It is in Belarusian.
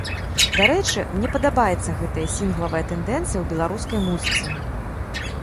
Дарэчы, мне падабаецца гэтая сінглавая тэндэнцыя ў беларускай музыцы.